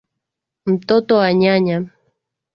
Mtoto wa nyanya.